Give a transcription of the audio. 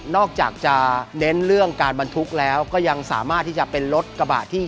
อกจากจะเน้นเรื่องการบรรทุกแล้วก็ยังสามารถที่จะเป็นรถกระบะที่